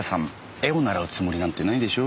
絵を習うつもりなんてないでしょう？